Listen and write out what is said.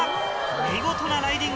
見事なライディング。